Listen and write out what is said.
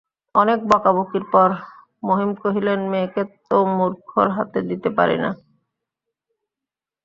অনেক বকাবকির পর মহিম কহিলেন, মেয়েকে তো মূর্খর হাতে দিতে পারি নে।